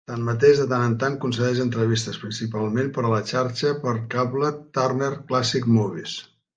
Tanmateix, de tant en tant concedeix entrevistes, principalment per a la xarxa per cable Turner Classic Movies.